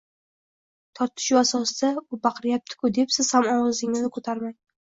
Tortishuv asnosida “U baqiryapti-ku!” deb siz ham ovozingizni ko‘tarmang!